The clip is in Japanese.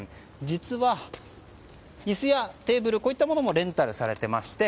実は、椅子やテーブルこういったものもレンタルされていまして